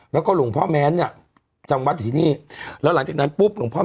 แล้วก็หลวงพ่อแม้นเนี่ยจำวัดอยู่ที่นี่แล้วหลังจากนั้นปุ๊บหลวงพ่อ